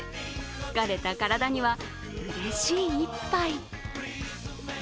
疲れた体には、うれしい一杯。